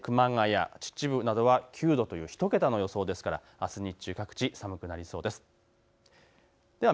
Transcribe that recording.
熊谷、秩父などは９度という１桁の予想ですからあす日中各地寒くなりそうです。